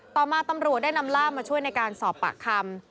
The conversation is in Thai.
ต่อมาตำรวจได้นำล่ามมาช่วยในการสอบปากคำ